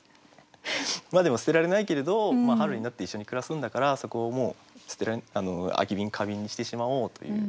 でも捨てられないけれど春になって一緒に暮らすんだからそこをもう空き瓶花瓶にしてしまおうという。